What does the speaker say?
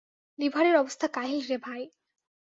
লিভারের অবস্থা কাহিল রে ভাই!